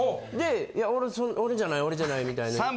で、いや、俺じゃない俺じゃないみたいな。